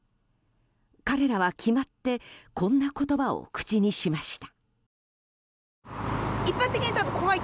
彼らは決まってこんな言葉を口にしました。